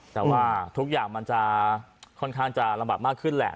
แต่ว่าทุกอย่างมันจะค่อนข้างจะลำบากมากขึ้นแหละ